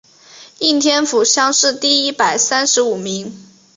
应天府乡试第一百三十五名。